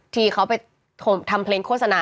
ที่เขาไปทำเพลงโฆษณา